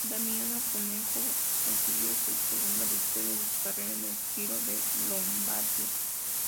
Damiano Cunego consiguió su segunda victoria de su carrera en el Giro de Lombardía.